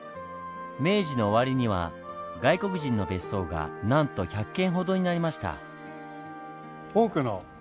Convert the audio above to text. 明治の終わりには外国人の別荘がなんと１００軒ほどになりました。